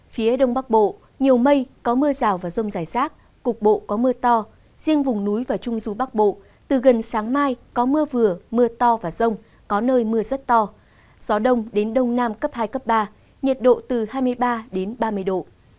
phía đông bắc bộ nhiều mây có mưa rào và rông rải rác cục bộ có mưa to riêng vùng núi và trung du bắc bộ từ gần sáng mai có mưa vừa mưa to và rông có nơi mưa rất to gió đông đến đông nam cấp hai cấp ba nhiệt độ từ hai mươi ba đến ba mươi độ